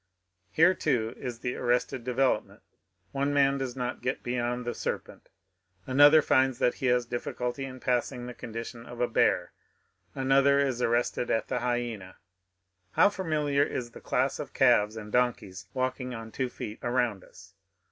Here, too, is ^^ ar rested development ;*' one man does not get beyond the serpent ; another finds that he has difficulty in passing the C/Ondition of a bear ; another is arrested at the hyena. How familiar is the class of calves and donkeys walking on two feet around us